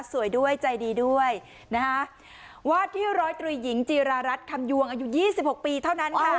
สวยด้วยใจดีด้วยนะคะวาดที่ร้อยตรีหญิงจีรารัฐคำยวงอายุยี่สิบหกปีเท่านั้นค่ะ